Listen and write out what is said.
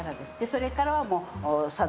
それからはもう。